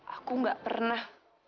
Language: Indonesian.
aku gak pernah